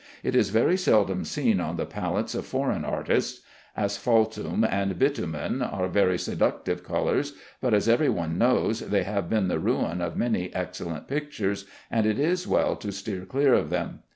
It is very seldom seen on the palettes of foreign artists. Asphaltum and bitumen are very seductive colors, but, as every one knows, they have been the ruin of many excellent pictures, and it is well to steer clear of them.